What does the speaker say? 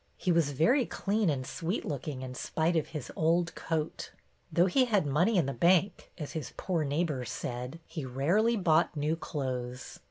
He was very clean and sweet looking in spite of his old coat. Though he had " money in the bank," as his poor neighbors said, he rarely bought new clothes.